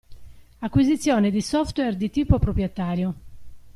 Acquisizione di software di tipo proprietario.